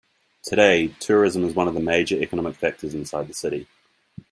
Today, tourism is one of the major economic factors inside the city.